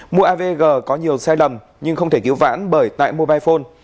mua avg có nhiều sai lầm nhưng không thể cứu vãn bởi tại mobile phone